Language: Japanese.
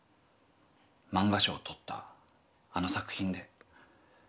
漫画賞とったあの作品で。